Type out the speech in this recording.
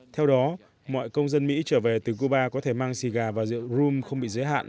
theo đó mọi công dân mỹ trở về từ cuba có thể mang cigar và rượu rum không bị giới hạn